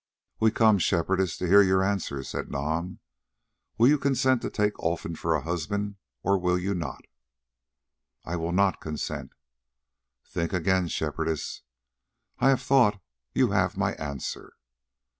"We come, Shepherdess, to hear your answer," said Nam. "Will you consent to take Olfan for a husband, or will you not?" "I will not consent." "Think again, Shepherdess." "I have thought. You have my answer."